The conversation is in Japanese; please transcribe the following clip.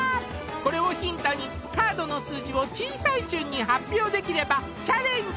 これをヒントにカードの数字を小さい順に発表できればチャレンジ